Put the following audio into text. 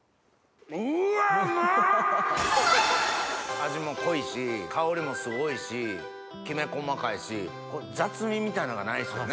味も濃いし香りもすごいしきめ細かいし雑味みたいなのがないですね。